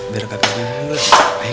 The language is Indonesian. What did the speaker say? biar kakak dia menyuapin